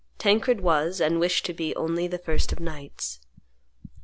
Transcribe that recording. Tancred was and wished to be only the first of knights.